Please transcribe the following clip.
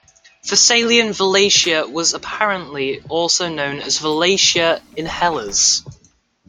Thessalian Vlachia was apparently also known as "Vlachia in Hellas".